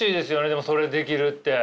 でもそれできるって。